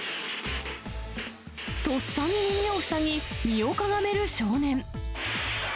とっさに耳を塞ぎ、身をかがめる少年。